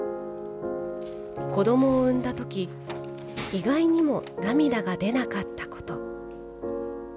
子どもを産んだとき、意外にも涙が出なかったこと。